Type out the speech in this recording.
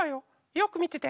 よくみてて。